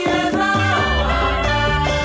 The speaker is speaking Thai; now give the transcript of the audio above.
ตอนต่อไป